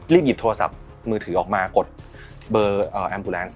หยิบโทรศัพท์มือถือออกมากดเบอร์แอมบูแลนซ